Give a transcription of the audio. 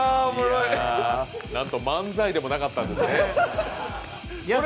なんと漫才でもなかったんですね。